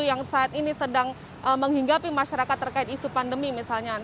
yang saat ini sedang menghinggapi masyarakat terkait isu pandemi misalnya